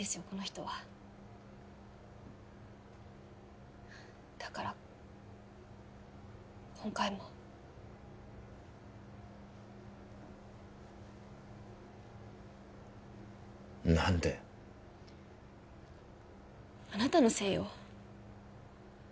この人はだから今回も何だよあなたのせいよ